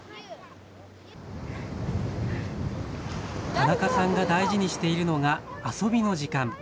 田中さんが大事にしているのが遊びの時間。